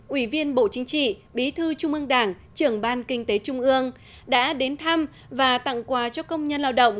ủy viên bộ chính trị bí thư trung ương đảng trưởng ban kinh tế trung ương đã đến thăm và tặng quà cho công nhân lao động